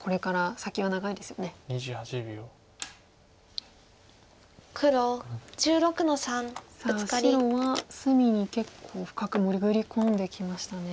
さあ白は隅に結構深く潜り込んできましたね。